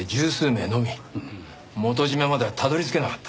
元締まではたどり着けなかった。